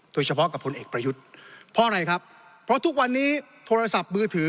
โดยเฉพาะกับพลเอกประยุทธ์เพราะอะไรครับเพราะทุกวันนี้โทรศัพท์มือถือ